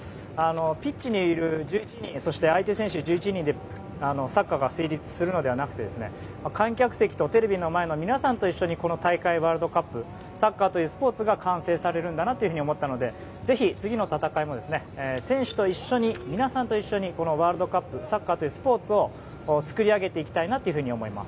ピッチにいる１１人そして相手選手１１人でサッカーが成立するのではなくて観客席とテレビの前の皆さんと一緒にこの大会ワールドカップサッカーというスポーツが完成されると思ったのでぜひ、次の戦いも選手と一緒に皆さんと一緒にこのワールドカップサッカーというスポーツを作り上げていきたいと思います。